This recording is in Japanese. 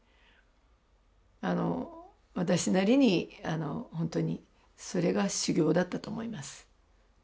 あの私なりにほんとにそれが修行だったと思います。